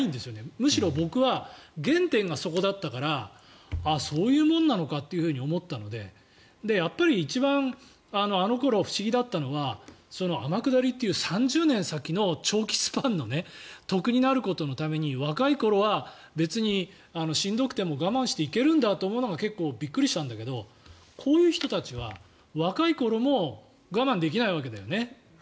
むしろ、僕は原点がそこだったからそういうものなのかと思ったのでやっぱり一番あの頃不思議だったのは天下りという３０年先の長期スパンの得になることのために若い頃は別にしんどくても我慢していけるんだと思うのが結構びっくりしたんだけどこういう人たちは若い頃も我慢できないわけだよね。